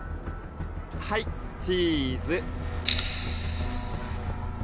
はいチーズ。